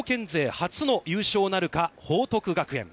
初の優勝なるか、報徳学園。